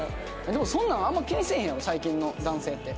でもそんなんあんま気にせえへんやろ最近の男性って。